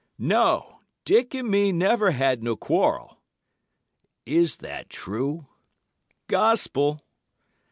"'No! Dick and me never had no quarrel.' "'Is that true?' "'Gospel.